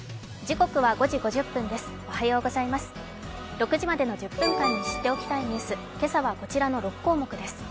６時までの１０分間に知っておきたいニュース、今朝はこちらの６項目です。